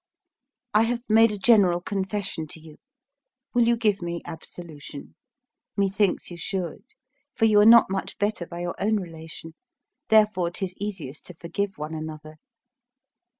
I have made a general confession to you; will you give me absolution? Methinks you should; for you are not much better by your own relation; therefore 'tis easiest to forgive one another.